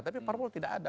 tapi parpol tidak ada